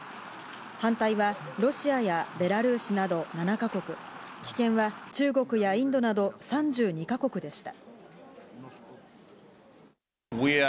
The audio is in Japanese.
反対はロシアやベラルーシなど７か国、棄権は中国やインドなど、３２か国でした。